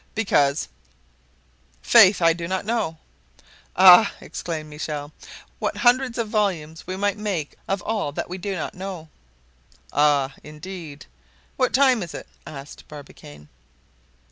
"Because—Faith I do not know." "Ah!" exclaimed Michel, "what hundred of volumes we might make of all that we do not know!" "Ah! indeed. What time is it?" asked Barbicane.